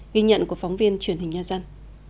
ghi nhận của phóng viên truyền hình nhà dân